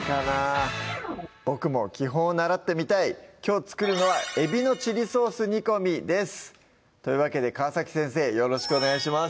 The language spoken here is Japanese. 僕も基本を習ってみたいきょう作るのは「海老のチリソース煮込み」ですというわけで川先生よろしくお願いします